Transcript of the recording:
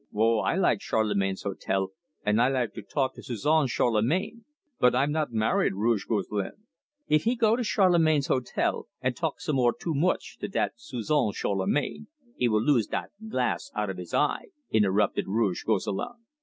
"Oh, I like Charlemagne's hotel, and I like to talk to Suzon Charlemagne, but I'm not married, Rouge Gosselin " "If he go to Charlemagne's hotel, and talk some more too mooch to dat Suzon Charlemagne, he will lose dat glass out of his eye," interrupted Rouge Gosselin.